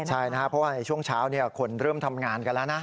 ใช่นะครับเพราะว่าในช่วงเช้าคนเริ่มทำงานกันแล้วนะ